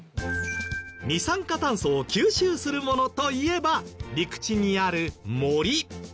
二酸化炭素を吸収するものといえば陸地にある森。